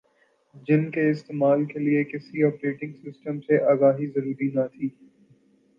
جن کے استعمال کے لئے کسی اوپریٹنگ سسٹم سے آگاہی ضروری نہ تھی